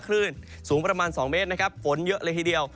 คลื่นสูงประมาณ๒เมตรนะครับฝนเยอะเลยทีเดียว